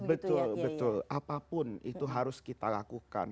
betul betul apapun itu harus kita lakukan